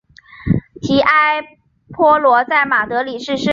提埃坡罗在马德里逝世。